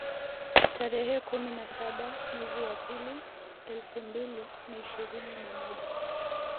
Tarehe kumi na saba mwezi wa pili elfu mbili na ishirini na moja